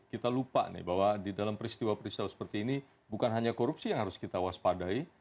kita lupa nih bahwa di dalam peristiwa peristiwa seperti ini bukan hanya korupsi yang harus kita waspadai